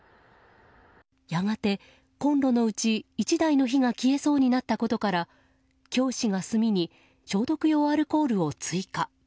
やがて、コンロのうち１台の火が消えそうになったことから教師が炭に消毒用アルコールを追加。